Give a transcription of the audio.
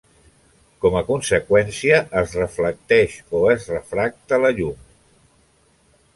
Com a conseqüència, es reflecteix o es refracta la llum.